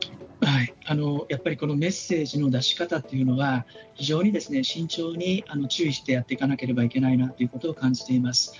やっぱりメッセージの出しかたというのは非常に慎重に注意してやっていかなければいけないなというのを感じています。